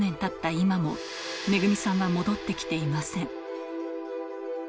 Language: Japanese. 今も、めぐみさんは戻ってきていません。